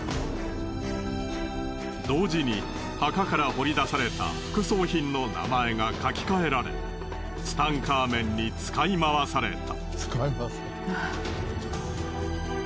同時に墓から掘り出された副葬品の名前が書き換えられツタンカーメンに使い回された。